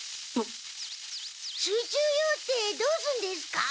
水中用ってどうすんですか？